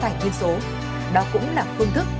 nền số đó cũng là phương thức